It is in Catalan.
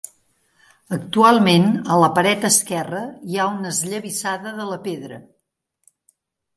Actualment a la paret esquerra hi ha una esllavissada de la pedra.